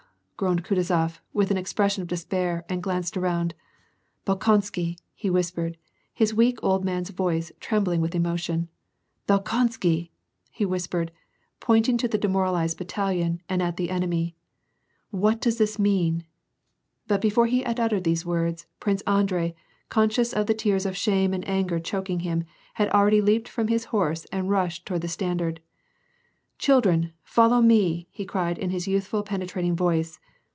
" groaned Kutuzof, with an expression of de spair, and glanced around. " Bolkonsky," he whispered, his weak old man's voice trembling with emotion, " Bolkonsky !" he whispered, pointing to the demoralized battalion and at the enemy, " What does this mean ?" But before he had uttered these words. Prince Andrei, con scious of the tears of shame and anger choking him, had al ready leaped from his horse and rushed toward the standard. "Children, follow me!" he cried in his youthfully penetra ting voice.